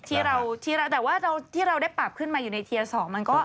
แต่ว่าที่เราได้ปรับขึ้นมาอยู่ในเทียร์สอง